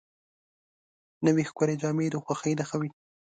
نوې ښکلې جامې د خوښۍ نښه وي